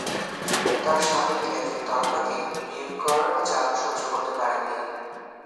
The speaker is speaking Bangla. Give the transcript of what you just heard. তার স্বামী একজন তারকাকে বিয়ে করার চাপ সহ্য করতে পারেননি।